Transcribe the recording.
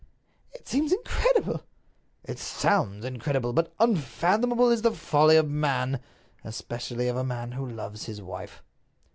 "It seems incredible!" "It sounds incredible; but unfathomable is the folly of man, especially of a man who loves his wife."